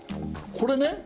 これね